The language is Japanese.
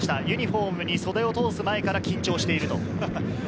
ユニホームに袖を通す前から緊張していると。